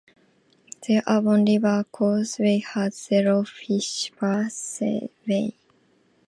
The Avon River Causeway has 'zero' fish passageway.